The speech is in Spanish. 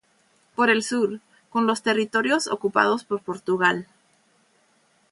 Por el sur: con los territorios ocupados por Portugal.